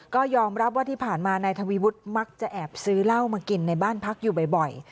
ก็ยอมรับว่าที่ผ่านมานายทวีวุฒิมักจะแอบซื้อเหล้ามากินในบ้านพักอยู่บ่อย